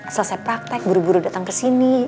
selesai praktek buru buru dateng kesini